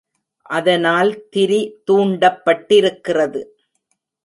அதனால் திரி தூண்டப்பட்டிருக்கிறது.